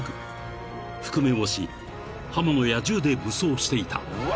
［覆面をし刃物や銃で武装していた］